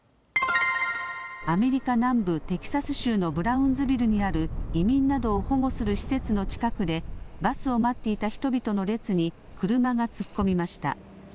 アメリカ南部テキサス州のブラウンズビルにある移民などを保護する施設の近くでバスを待っていた人々の列に車が突っ込みました。